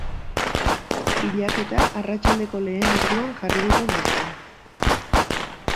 Bilaketa arratsaldeko lehen orduan jarri dute martxan.